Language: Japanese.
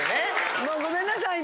もうごめんなさいね